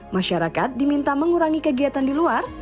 masyarakat diminta mengurangi kegiatan di luar